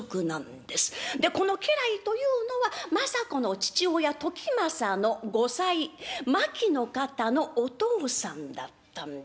でこの家来というのは政子の父親時政の後妻牧の方のお父さんだったんです。